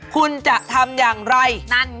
คุณจะทำอย่างไร